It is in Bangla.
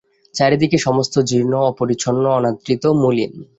চারি দিকেই সমস্ত জীর্ণ, অপরিচ্ছন্ন, অনাদৃত, মলিন।